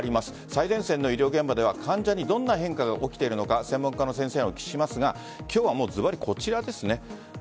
最前線の医療現場では患者にどんな変化が起きているのか専門家の先生に聞きますが今日はずばりこちらです。